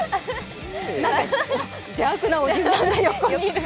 邪悪なおじさんが横にいる。